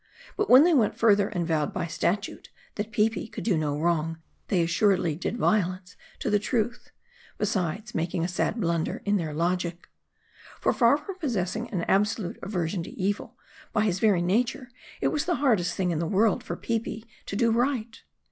But when they went further, and vowed by statute, that Peepi could do no wrong, they assuredly did violence to the truth ; besides, making a sad blunder in their logic. For far from possessing an absolute aversion to evil, by his very nature it was the hardest thing in the world for Peepi to do right.